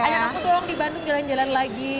ayah aku doang di bandung jalan jalan lagi